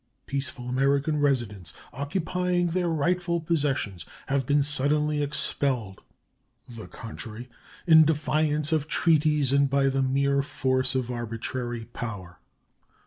Peaceful American residents, occupying their rightful possessions, have been suddenly expelled the country, in defiance of treaties and by the mere force of arbitrary power.